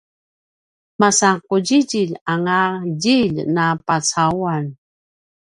masan qudjidjilj anga djilj na pucauan